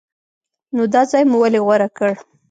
نو دا ځای مو ولې غوره کړ؟